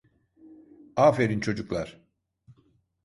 Aferin çocuklar.